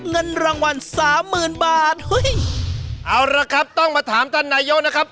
เงินรางวัล๓๐๐๐๐บาทเอาละครับต้องมาถามท่านนายโย่นะครับ